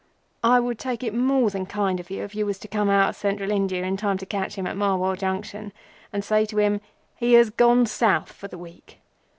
I would take it more than kind of you if you was to come out of Central India in time to catch him at Marwar Junction, and say to him:—'He has gone South for the week.